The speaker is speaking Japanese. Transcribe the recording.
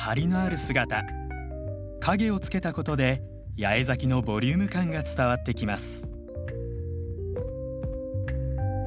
影をつけたことで八重咲きのボリューム感が伝わってきます。